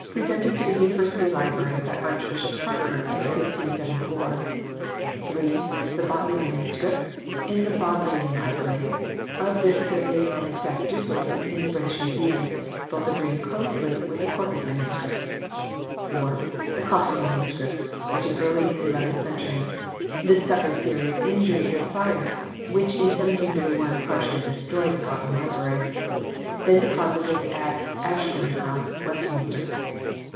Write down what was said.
pre sented to the University Library by Archbishop Parker in 1574 ; (3) the Bodley MS. in the Bodleian Library ; of this there is an exact duplicate in the British Museum, both agreeing closely with the Corpus MS. ; (4) the Cotton MS. written early in the llth century. This suffered serious injury in the fire which in 1731 partially destroyed the Cotton Library, then deposited at Ashburnham House, Westminster.